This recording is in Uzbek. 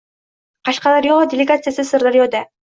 Qashqadaryo delagatsiyasi Sirdaryoda